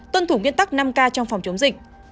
tuân thủ nguyên tắc năm k trong phòng chống dịch